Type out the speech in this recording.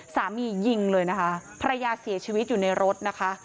สามียิงเลยนะคะภรรยาเสียชีวิตอยู่ในรถนะคะ